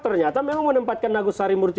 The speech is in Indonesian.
ternyata memang menempatkan agus sari murti